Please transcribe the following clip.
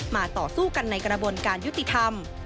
ต่อสู้กันในกระบวนการยุติธรรม